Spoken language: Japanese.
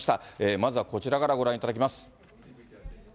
まずはこちらからご覧いただきます。